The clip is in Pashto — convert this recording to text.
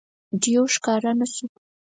دېو ښکاره نه شو.